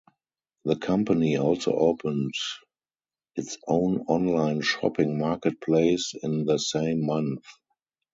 The company also opened its own online shopping marketplace in the same month.